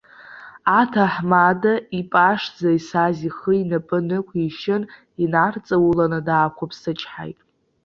Аҭаҳмада, ипашӡа исаз ихы инапы нықәишьын, инарҵауланы даақәыԥсычҳаит.